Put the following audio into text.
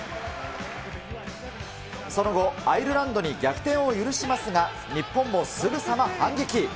その後、アイルランドに逆転を許しますが、日本もすぐさま反撃。